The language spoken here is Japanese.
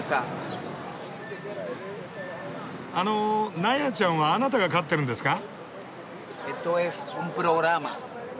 あのナヤちゃんはあなたが飼ってるんですか？